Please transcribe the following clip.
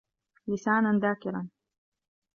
لِسَانًا ذَاكِرًا